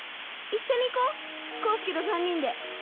一緒に行こう功介と３人で。